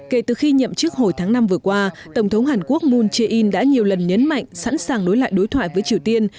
kể từ khi nhậm chức hồi tháng năm vừa qua tổng thống hàn quốc moon jae in đã nhiều lần nhấn mạnh sẵn sàng nối lại đối thoại với triều tiên